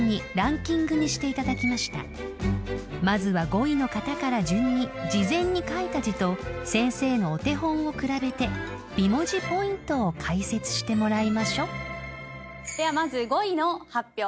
［まずは５位の方から順に事前に書いた字と先生のお手本を比べて美文字ポイントを解説してもらいましょ］ではまず５位の発表です。